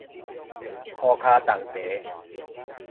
粗跤重蹄